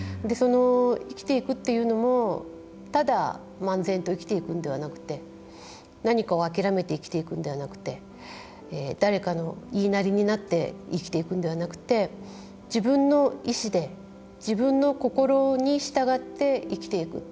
生きていくというのもただ漫然と生きていくんではなくて何かをあきらめて生きていくんではなくて誰かの言いなりになって生きていくんではなくて自分の意志で自分の心に従って生きていく。